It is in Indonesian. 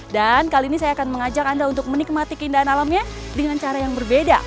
dan kali ini saya akan mengajak anda untuk menikmati keindahan alamnya dengan cara yang berbeda